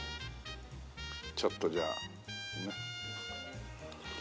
ちょっとじゃあねっ。